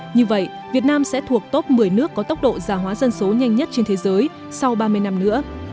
như vậy việt nam sẽ thuộc top một mươi nước có tốc độ già hóa dân số nhanh nhất trên thế giới sau ba mươi năm nữa